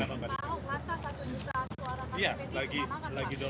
pak ahok kata satu juta suara ktp ini sama nggak pak